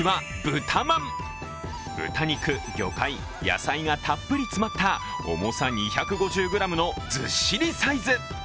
豚肉、魚介、野菜がたっぷり詰まった重さ２５０ｇのずっしりサイズ。